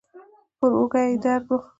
پر اوږه کې يې درد و.